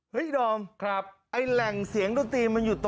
เฮ้ยอีดอมครับไอ้แหล่งเสียงดนตรีมันอยู่ไหนนะ